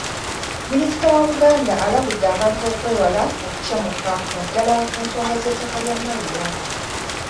Minisita wa Buganda alabudde abantu okwewala okucamuka naddala ku nsonga z'ettaka lya Mayiro.